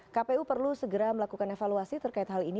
kpu perlu segera melakukan evaluasi terkait hal ini